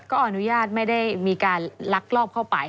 ก็อนุญาตไม่ได้มีการลักลอบเข้าไป